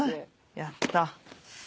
やった。